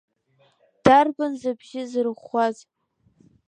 Дарбан зыбжьы зырӷәӷәаз?